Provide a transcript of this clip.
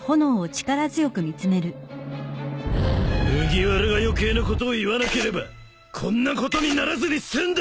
［麦わらが余計なことを言わなければこんなことにならずに済んだんだ！］